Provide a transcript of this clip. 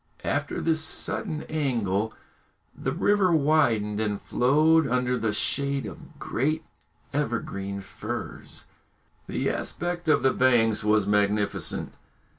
After this sudden angle the river widened and flowed under the shade of great evergreen firs. The aspect of the banks was magnificent.